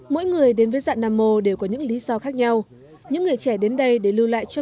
mỗi người đến với dạng nam ô đều có những lý do khác nhau những người trẻ đến đây để lưu lại cho